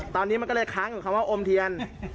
ตอนนี้มันก็เลยค้างกับคำว่าอมเทียน